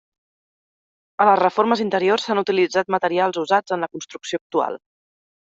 A les reformes interiors s'han utilitzat materials usats en la construcció actual.